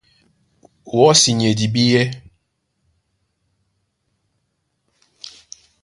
Wɔ́si ni e dibíɛ́.